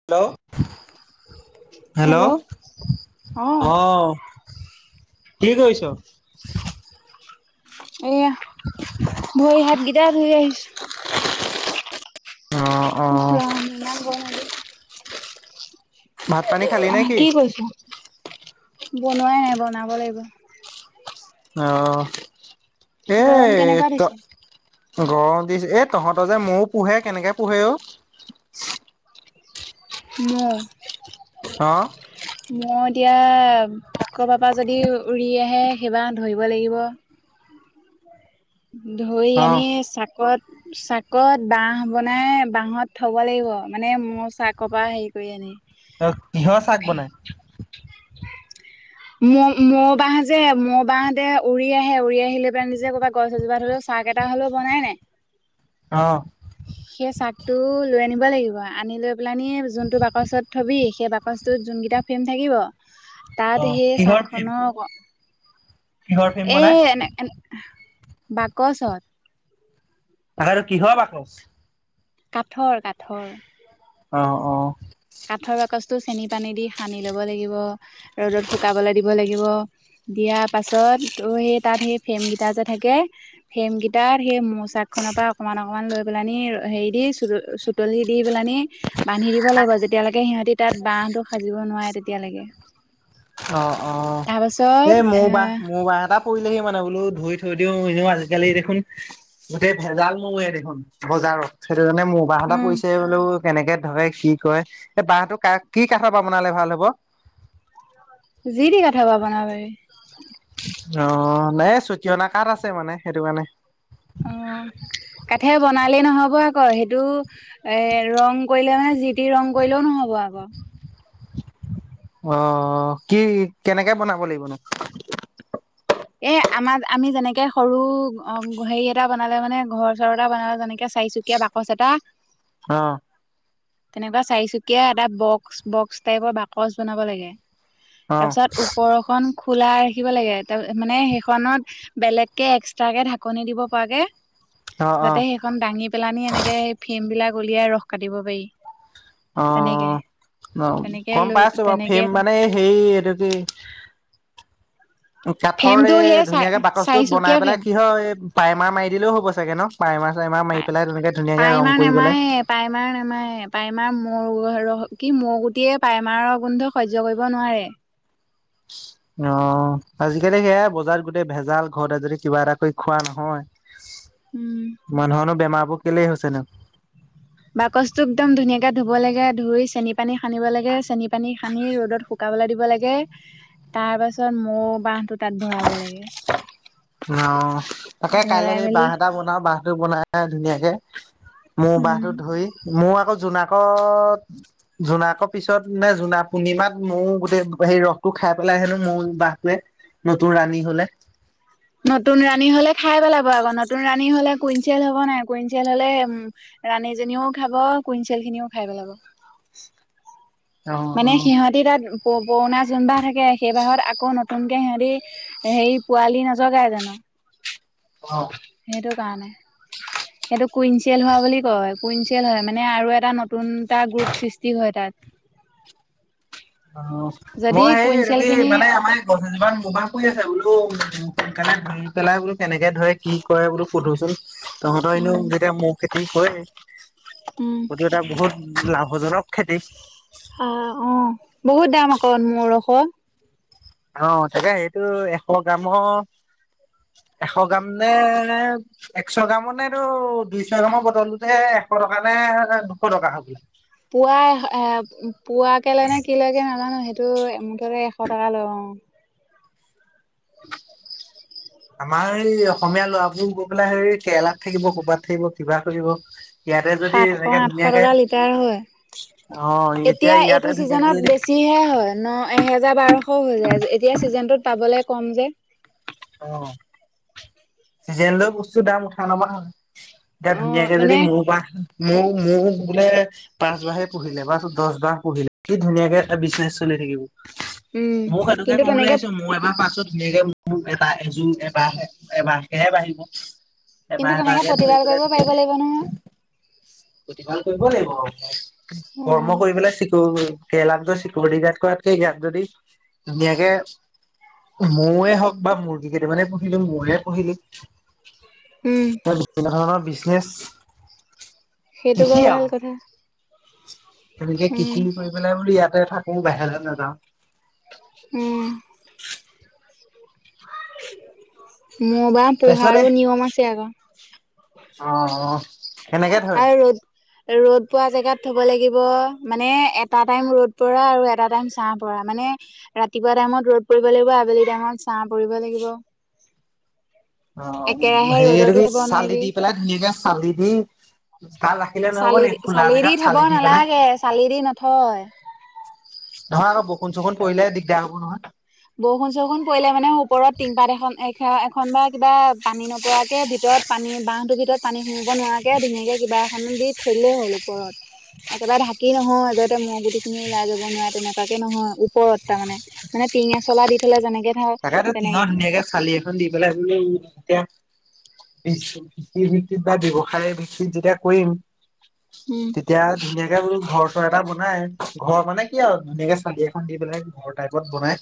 Hello. Hello অ। কি কৰিছ? এয়া ভৰি হাতগেইটা ধুই আহিছো। অ ওখ অ' ৰাম ইমান গৰম আজী। ভাত পানী খালি নে আহ কি কৈছ? বনোৱাই নাই বনাব লাগিব। অহ এ গৰম কেনেকুৱা ত দিছে গৰম দিছে এ তহঁত যে মৌ পোহে কেনেকে পোহে অ? মৌ। অহ। এতিয়া ক'ৰবাৰ পৰা যদি উৰি আহে সেইবা ধৰিব লাগিব। ধৰি আনি চাকত চাকত বাঁহ বনাই বাঁহত থ'ব লাগিব মানে মোৰ চাকৰ পৰা হেৰি কৰি আনি। আহ কিহৰ চাক বনাই। ম মৌ বাঁহ যে ম বাহতে উৰি আহে উৰি আহিলে পিনে নিজে কৰবা গছ এজোপাত হ'লেও চাক এটা হ'লেও বনাই নাই। [inaudible] সেই চাকটো লৈ আনিব লাগিব আনিলৈ পেলানীয়ে যোনটো বাকচত থ'বি সেই বাকচটোত যোনকেইটা ফ্ৰেম থাকিব তাত অ' সেই চাক কিহৰ ফিল্ম খনৰ কিহৰ ফিল্ম এ বনাই? এনে এনে বাকচত। তাকে ত আৰু কিহৰ বাকচ? কাঠৰ কাঠৰ। অ অ। কাঠৰ বাকচটো চেনি পানী দি সানি ল'ব লাগিব ৰ'দত শুকাবলৈ দিব লাগিব। দিব দিয়াৰ পাছত তোৰ সেই তাত ফ্ৰেম কেইটা যে থাকে ফ্ৰেমকাইটাত সেই মোচাক খনৰ পৰা অকমান অকমান লৈ পেলানি হেৰি দি চ চুতলি দি পেলানি বান্ধি। দিব লাগিব যেতিয়ালৈকে সিহঁতি তাত বাহটো সাজিব নোৱাৰে তেতিয়ালৈকে। অ অ তাৰপাছত এই এ মোৰ বাহ মোৰ বাহ এটা কৰিলেহে মানে বোলো ধুই থৈ দিও এনেও আজিকালি দেখোন গোটেই ভেজাল নে দেখোন। সেইটো কাৰণে মৌবাহ এটা উম পৰিছে বোলো কেনেকে ধৰে কি ক এই বাহটো কা কি কাঠৰ পৰা বনালে ভাল হব। যি তি কাঠ পা বনাব পাৰি। অ নাই চুটি অনা কাত আছে মানে সেইটো কাৰণে। হ'ব আকৌ সেইটো এ ৰং কৰিলে মানে জি টি ৰং কৰিলেও নহ'ব আকৌ। আহ কি কেনেকে বনাব লাগিবনো। এ আমাৰ আমি যেনেকে সৰু হেৰি এটা বনালে মানে ঘৰ চৰ এটা বনালে যেনেকে চ চাইছুকীয়া বাকচ এটা। অ। তেনেকুৱা চাৰিচুকীয়া এটা বক্স বক্স টাইপৰ বাকচ বনাব লাগে। অ তাৰপিছত ওপৰখন খোলা ৰাখিব লাগে। তাৰ মানে সেইখনত বেলেগকে এক্সট্ৰাকে ঢাকনি দিব পৰাকে। অ অ যাতে সেইখন দাঙি পেলান এনেকে সেই ফেম বিলাক উলিয়াই ৰস কাটিব পাৰি। অ তেনেকে অ তেনেকে গম লৈ পাই আছো বাৰু তেনেকে ফেম মানে সেই এইটো কি? কাঠৰ ফ্ৰেমটো সেই এই চাই ধুনীয়াকে বাকচটো বনাই চাৰিচুকীয়া পেলাই ফ্ৰেম কি হয় এই পাইমাৰ মাৰি দিলেও হ'ব চাগে ন। প্ৰাইমাৰ চাইমাৰ মাৰি পেলাই তেনেকে ধুনীয়াকে পাই ৰং মাৰ কৰি পেলাই নেমায় পায় মাৰ নেমায় পায়মাৰ। মোৰ ৰ কি মোৰ গুটিয়ে পাইমাৰৰ গোন্ধক সয্য কৰিব নোৱাৰে। অ আজিকালি সেয় বজাৰত গোটেই ভেজাল ঘৰতে যদি কিবা এটা কৰি খোৱা নহয়। উম মানুহৰো বেমাৰবোৰ কেলেই হৈছে ন। বাকচটো একদম ধুনীয়াকে ধুব লাগে ধুই চেনি পানী খানিব লাগে চেনি পানী সানি ৰ'দত শুক দিব লাগে তাৰ পাছত মৌ বাহটো তাত ভৰাব লাগে অ তাকে কাইলে ভৰাই সেই মেলি বাহ এটা বনাও বাহটো বনাই ধুনীয়াকে মৌ উম বাহটো ধৰি মৌ আকৌ জোনাকত -জোনাকৰ পিছত নে জোনাক পূৰ্ণিমাত মোৰ গোটেই হে ৰস খাই পেলাই হেনো মই বাহটোৱে নতুন ৰাণী হলে নতুন ৰাণী হলে খাই পেলাব। আকৌ নতুন ৰাণী হলে কুইনচেল হ'ব নাই কুইনচেল হলে ৰাণীজনীও খাব কুইনচেল খিনিও খাই পেলাব। [unintelligible] অ' মানে অ' সিহঁতি তাত প পুৰণা যোনবাহ থাকে সেইবাহত আকৌ নতুনকে সিহঁতি হেৰি পোৱালি নযগাই জানো অ সেইটো কাৰণে সেইটো কুইনচিয়েল হোৱা বুলি কয় কুইনচিয়েল হয় মানে আৰু এটা নতুন নতুনটা গ্ৰুপ সৃষ্টি হয় তাত অ যদি মই সেই কুইনচিয়েল যদি খিনি মানে আমাৰ এই গছ এজোপা মৌ বা [unintelligible] পেলাই বোলো কেনেকে ধৰে কি কৰে বো সোধোচোন তহঁতৰ এনো উম যেতিয়া মৌ খেতি কৰে উম সটো এটা বহুত লাভজনক খেতি আহ অ বহুত দাম আক মৌ ৰস অ তাকে সেইটো এশ গ্ৰামৰ এশ গ্ৰাম নে এশ গ্ৰাম নেটো দুইশ গামৰ বটলতে এশ টকা নে দুশ টকা হব পুৱা এ পোৱা কে লয় নে কি লৈকে নাজানো সেইটো মুঠতে এশ টকা লয় অ উম [unintelligible] আমাৰ এই অসমীয়া লৰাবোৰ গৈ পেলাই হেই কেৰেলাত থাকিব কৰবাত থাকিব কিবা কৰিব। ইয়াতে যদি সাতশ এনেকে আঠশ ধুনীয়াকে টকা লিটাৰ হয়। অ', এতিয়া ইয়াতে এইটো ধুনীয়াকে চিজনত যদি বেছিহে হয় ন। এহেজাৰ বাৰশ হৈ যায় এতিয়া ছিজনটোত পাবলে কম যে অ চিজনলৈ বস্তু দাম উঠা নবা হ এতিয়া অ ধুনীয়াকে যদি মানে মৌৰ বা মৌৰ- মৌৰ বোলে পাঁচবাৰে পহিলে বা দহ বাৰ পহিলে কি ধুনীয়াকে এটা বিজনেছ চলি থাকিব। উম মোও সোকে কিন্তু কম বুলি তেনেকে আহিছো মোৰ এবাৰ পাছত ধাকে মোৰ এটা এযোৰ এবাৰে এবাৰেহে বাঢ়িব কিন্তু এবাৰ এবাৰ তেনেকে যে ধৰি প্ৰতিবাদ গলৈ কৰিব ধে পাৰিব লাগিব নহয় প্ৰতিপাল কৰিব লাগিব অ কৰ্ম কৰি পেলাই চিক কেৰেলাক য চিকিুৰিটি গাৰ্ড কৰাতকে ইয়াক যদি ধুনীয়াকে মৌৱে হওক বা মুৰ্গী কেইটামানে পুহিলো মৌয়ে পুহিলো উম বিভিন্ন ধৰণৰ শেষ সেইটো বাৰু ভাল কথা। তেনেকে উম কৃষি কৰি পেলাই বোল ইয়াতে থাকো বাহিৰলৈ নাযাওঁ। অ মোৰ বাৰ পূহাৰো নিয়ম আছে আকৌ অ অ সেনেকে থই আৰু ৰ'দ ৰ'দ পোৱা জেগাত থব লাগিব মানে এটা টাইম ৰ'দ পৰা আৰু এটা টাইম চাহ পৰা মানে ৰাতিপুৱা টাইমত ৰ'দ পৰিব লাগিব আবেলি টাইমত চাহ পৰিব লাগিব। অ একেৰাহে হেৰি এইটো কি ৰ'দতো থব চালি নোৱাৰিবি দি পেলাই ধুনীয়াকে চালি দি ভাল ৰাখিলে নহব চালি নে খোলা জেগাত থব চালি দি পেলাই নালাগে চালি দি নথয় নহয় আকৌ বৰষু চকুণ পৰিসিলে দিগদাৰ হ'ব নহয়। বৰষুণ চৰষুণ পৰিলে মানে ওপৰত টিংপাত এখন এ এখন বা কিবা পানী নপৰাকে ভিতৰত ৰত পানী বাহটোৰ ভিতৰত পানী সোমব নোৱাৰাকে ধুনীয়াকে কিবা এখন দি থৈলেই হ'ল ওপৰত একেবাৰে ঢাকি নহয় যাতে ম গুটি খিনিও ওলাই যাব নোৱাৰে তেনেকুৱাকে নহয় ওপৰত তাৰ মানে মানে টিঙ চলা দি থ'লে যেনেকে ধৰ তাকেত টিঙত তেনেকে ধুনীয়াকে চালি এখন দি পেলাই এয়া কৃষিৰ ভিত্তিত বা ব্যৱসায় ভিত্তিত যেতিয়া কৰিম। উম তেতিয়া ধুনীয়াকে ম ঘৰ এটা বনাই ঘৰ মানে কি আৰু ধুনীয়াকে চালি এখন দি পেলাই ঘৰ টাইপত বনাই।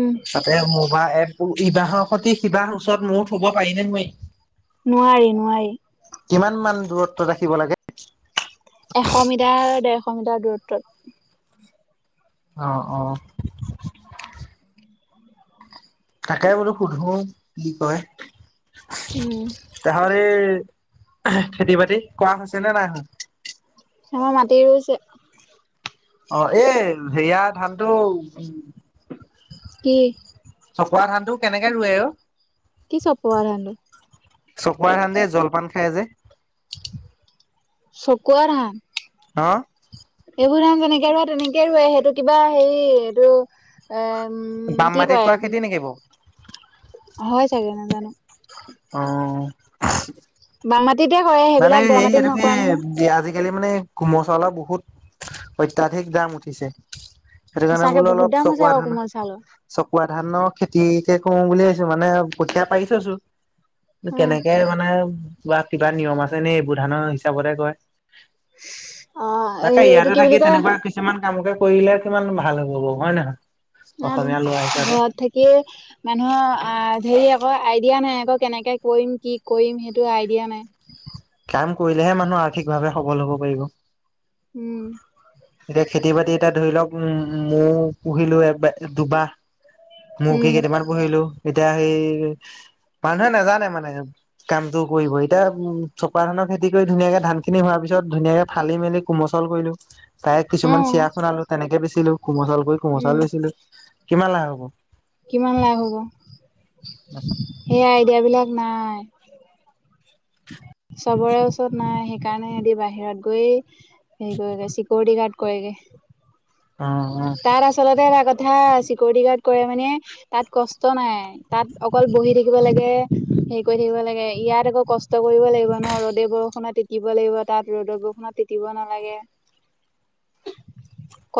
উম তাতে মোবা এপ ইবাহৰ স সিবাহৰ ওচৰত ময়ো থব পাৰিনে মই নোৱাৰি নোৱাৰি। কিমান মান দূৰত্ব ৰাখিব লাগে। এশ মিটাৰ দেৰশ মিটাৰ দূৰত্বত অ অ। তাকে বোলো সোধো বুলি কয় উম তাহৰ এই খেতি বাতি কৰা হৈছে নে নাই হ। স মই মাতি ৰুইছে অ এই সেয়া ধানতটো উ কি থকুৱা ধানটো কেনেকে ৰুৱে আৰু কি চপোৱা ধানটো চকুৱ খান্দে জলপান খাই যে চকুৱাৰ ধান হা দেহু ধাম যেনেকে ৰে তেনেকে ৰোৱে সেইটো কিবা হেৰি এইটো এ। উম বাম কি মাটিত কয় কোৱা খেতি নেকি বৌ হয় চাগে ন জানো? অ। বাম মাটিতে কৰে মানে সেইবিলাক দ মাটিত এইটোক নকৰে নহয় আজিকালি মানে ঘোম চলাও বহুত অত্যাধিক দাম উঠিছে। সেইটো কাৰণে সঁচাকে বোলো বহুত অলপ দাম হৈছে চকুৱ আকৌ ধান কোমল চাউলৰ চকুৱ ধানৰ খেতি। কো বুলি ভিছো মানে কঠিয়া পাৰিছ চো কেনেকে মানে। কিবা নিয়ম আছে নে এইবোৰ ধানৰ হিচাপতে কয়। অ তাকে ইয়তে এইটো কি থাকি বুলি কয় তেনেকুৱা কিছুমান কাম ক কৰিলে কিমান ভাল হ'ব ব হয় নহয়। অ অসমীয়া ল'ৰা হিচাপে ঘৰত থাকি মানুহৰ আহ হেৰি আকৌ আইডিয়া নাই আকৌ কেনেকে কৰিম কি কৰিম সেইটো আইডিয়া নাই। কাম কৰিলেহে মানুহ আৰ্থিকভাৱে সবল হব পাৰিব। উম এতিয়া খেতি বাতি এটা ধৰি লওক উম মৌ পুহিলো এবাৰ দুবাহ মৰ্গী উম কেইটামান পঢ়িলো এতিয়া সেই মানুহে নাজানে মানে কামটো কৰিব এতিয়া উম চপা ধানৰ খেতি কৰি ধুনীয়াকে ধান খিনি হোৱাৰ পিছত। ৰ পিছত ধুনীয়াকে ফালি মেলি কোমচল কৰিলো। তায়ে অ কিছুমান চিয়া খুনালো তেনেকে বেচিলো কোমল চাউল কৰি কোমল চাউল উম বেচিলো কিমান লাভ হব। কিমান লাভ হ'ব সেই আইডিয়া বিলাক নাই। [inaudible] চবৰে ওচৰত নাই সেইকাৰণে সিহতি বাহিৰত গৈয়ে হেৰি কৰেগে চিকিউৰিটি গাৰ্ড কৰেগে। [inaudible] অ তাৰ আচলতে এ কথা কথাা চিকিউৰিটি গাৰ্ড কৰে মানে তাত কষ্ট নাই তাত অকল বহি থাকিব লাগে। হেৰি কৰি থাকিব লাগে ইয়াত আকৌ কষ্ট কৰিব লাগিব ন ৰ'দে বৰষুণত তিতিব লাগিব তাত ৰ'দৰ বৰষুণত চতিব নালাগে।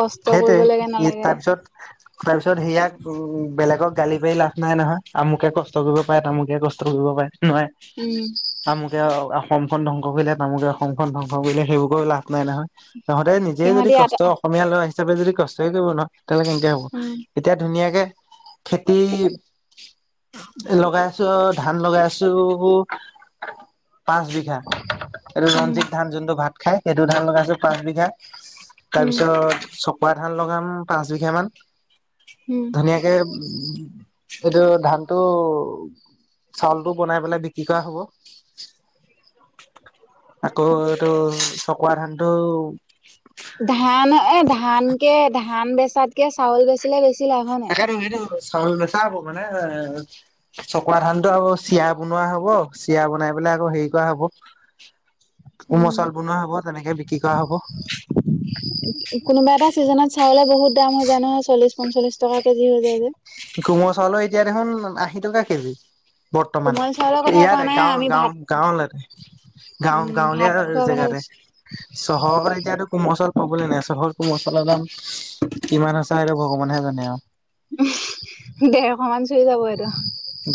কষ্ট কৰিব লাগে ই নালাগে তাৰপিছত। তাৰপিছত সেয়াাক উ বেলেগক গালি পাৰি লাভ নাই নহয় আমুকে কষ্ট কৰিব পাৰে তামুকে কষ্ট কৰিব পাৰে। নহয় উম তামুকে অসমখন ধ্বংস কৰিলে তামুকে অসমখনন ধ্বংস কৰিলে সেইবোৰকেও লাভ। নাই নহয় তহতে নিজে যদি সিহঁতি কষ্ট আটা অসমীয়া ল'ৰা হিচাপে যদি কষ্টয়ে কৰিব নহয়। তেতিলে কেনেকে হ'ব উম এতিয়া ধুনীয়াকে খেতি। লগাই আছো অ ধান লগাই আছো। পাঁচ বিঘা এইটো উম ৰঞ্জিত ধান যোনু ভাত খাই। সেইটো ধান লগাইছো পাঁচ বিঘা তাৰ উম পিছত চকোৱা ধান লগাম পাঁচ বিঘা মান। উম ধুনিয়াকে উ এইটো ধানতটো চাউলটো বনাই পেলাই বিক্ৰী কৰা হ'ব। [inaudible] আকৌ এইটো চকোৱা ধানটো। ধান এ ধান কেে ধান বেচাতকে চাউল বেচিলে বেছি। লাভ হয় নাই এক চাল মেচা হব। মানে এ চকোৱা ধানতটো আকৌ চিয়া বনোৱা হব চিৰা বনাই পেলাই আকৌ হেৰি কৰা হ'ব। কোমল উম চাউল বনোৱা হব তেনেকে বিক্ৰী কৰা হ'ব। কোনোবা এটা চিজনত চাউলে। বহুত দাম হৈ যায় নহয় চল্লিশ পঞ্চলিশ টকা কেজি হৈ যায় যে। কোমো চাউলো এতিয়া দেখোন আশী টকা কেজি। বৰ্তমান কোমল চাউলৰ কথা কোৱা ইয়াৰে নাই গাঁও আমি গাও ভাত গাঁৱলৈৰে। গাঁও উম গাঁৱলীয়া ভাত আৰু খোৱাৰ কথা জেগাতে কৈছো। চহৰৰ এতিয়াতো কোমলল হ'বলে নেচৰটো মচলা দাম কিমান আছ সটো ভগৱানেহে জানে আৰু উ দেৰশ মান চুই যাব আৰু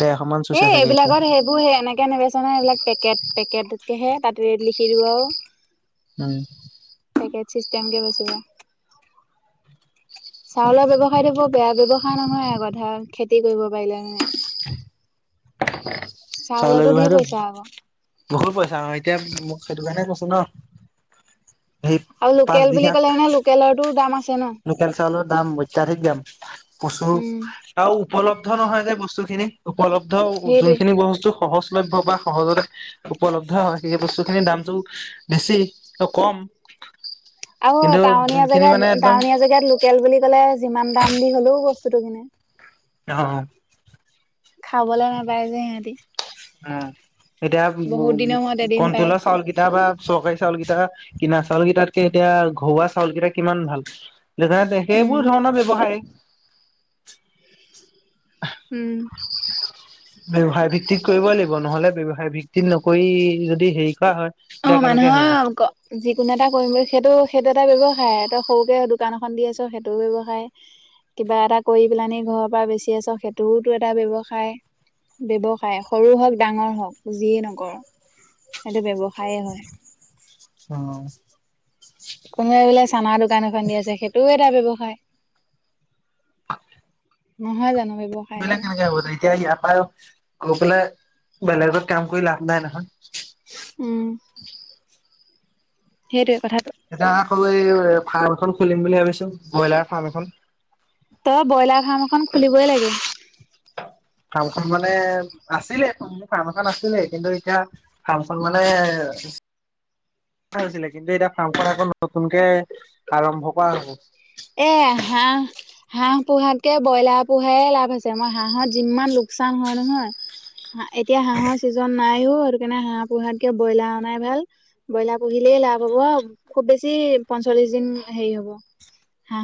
ডেৰশ মান চুইছে চাগে এতিয়া এইবিলাকত সেইবোৰ সেই এনেকে নবচ। চনা এইবিলাক পেকেট পেকেটকেহে তাতেৰে লিখি দিওঁ আৰু উম চিম কে বাচিব চাউলৰ ব্য্য়ৱসায়ত হব [unintelligible] বেয়া ব্যয়ৱসায় নহয় আ কথা খেতি কৰিব পাৰিলে মানে। চাউলৰ চাউলতো ধেৰ ব্যহাৰটো পইচা আকৌ বহত পইছা এতিয়া। সেইটো কাৰণে কৈছো ন। সেই আৰু লোকেল বুলি পাঁচবিঘাগ ক'লে মানে লোকেলৰতো দাম আছে ন। লোকেল চাউলত। দাম অত্যাধিক দাম প্ৰচুৰ উম আৰু উপলব্ধ নহয় যে বস্তু খিনি। উপলব্ধ সেইটোৱে। যোনখিনি বস্তু সহজলভ্য বা সহজতে উপলব্ধ হয়। সেই বস্তুখিনিৰ দামটো বেছি ত কম। আৰু কিন্তু টাউনীয়া যোনখিনি মানে জেগাত একদম টাউনীয়া জেগাত লোকেল বুলি ক'লে যিমান দাম দি হলওত। কিনে। অ। খাবলৈ নাপায় যে সিহঁতি। উ এতিয়া উ বহুত দিনৰ মূৰত এদিন পায় কণটলা চাউল কেইটা বা চৰকাৰী চাউল কেইটা। কিনা চাউল কেইটাতকে এতিয়া ঘৰুৱা চাউল কেইটা কিমান ভাল। উম। সেইবোৰ ধৰণৰ ব্যৱসায়। উম। ব্যসায় ভিত্তিত কৰিবই লাগিব নহলে ব্যসায় ভিত্তিত নকৰি যদি হেৰি কৰা হয়। অ তেতিয়া কেনেকে হব মানুহৰ যিকোনো এটা কৰিম বুলি সেইটো। সেইটো এটা ব্যৱসায় তই সৰুকে দোকান এখন দি আছ সেইটোও ব্যয়ৱসায়। কিবা এটা কৰি পেলানি ঘৰৰ পৰা বেচি আছ সেইটোওতো এটা ব্যয়ৱসায়। ব্যয়ৱসায় সৰু হওক ডাঙৰ হওক যিয়ে নকৰ সেইটো ব্যয়ৱসায়। খায়ে হয়। অ। কোনোৱাই বোলে চানা দোকান এখন দি আছে সেইটোও এটা ব্যৱসায়। হয়। নহয় জানো। ব্যৱসায় বেলেগ সেইটো। কেনেকে হত এতিয়া আ পায়। আকৌ পেলাই বেলেগত কাম কৰি লাভ নাই নহয়। উম। সেইটোৱে কথা। এতিয়া আকৌ এই ফাৰ্ম এখন খুলিম বুলি ভাবিছো ব্ৰইলাৰ ফাৰ্ম এখন। তই ব্ৰইলাৰ ফাৰ্ম এখন খুলিবই লাগে। ফাৰ্মখন মানে আছিলে ফাৰ্ম এখন আছিলে কিন্তু এতিয়া ফাৰ্মখন মানে। হৈছিলে কিন্তু এতিয়া ফাৰ্মখন আকৌ নতুনকে আৰম্ভ কৰা হব। এ হাঁহ হাঁহ পোহাতকে ব্ৰইলাৰ পোহাই লাভ আছে মই হাঁহত যিমান ল। লোকচান হলে নহয়। হ এতিয়া হাঁহৰ ছিজন নাইও সেইটো কাৰণে হাঁহ পোহাতকে ব্ৰইলাৰ অননাই ভাল ব্ৰইলাৰ পুহিলে। লাভ হব খুব বেছি পঞ্চল্লিশ দিন হেৰি হব। হাঁহ